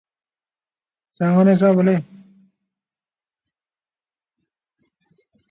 He again lost to John Poole, and did not run for provincial office again.